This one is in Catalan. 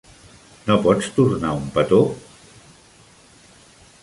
No pots tornar un petó?